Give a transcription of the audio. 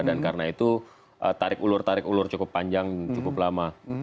dan karena itu tarik ulur tarik ulur cukup panjang cukup lama